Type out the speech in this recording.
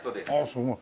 すごい。